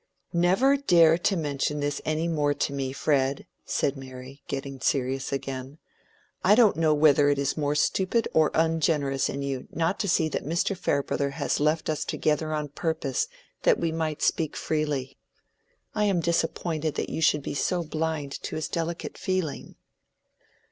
"Never dare to mention this any more to me, Fred," said Mary, getting serious again. "I don't know whether it is more stupid or ungenerous in you not to see that Mr. Farebrother has left us together on purpose that we might speak freely. I am disappointed that you should be so blind to his delicate feeling."